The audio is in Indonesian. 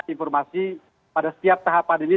informasi pada setiap tahapan ini